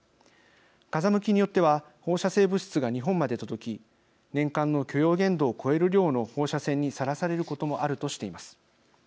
風向きによっては放射性物質が日本まで届き年間の許容限度を超える量の放射線にさらされることもあるとしています。